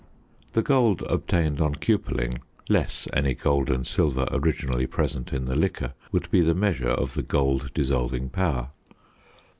The gold obtained on cupelling, less any gold and silver originally present in the liquor, would be the measure of the gold dissolving power.